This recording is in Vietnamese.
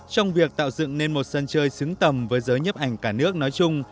trong việc tạo dựng nên một sân chơi xứng tầm với giới nhấp ảnh cả nước nói chung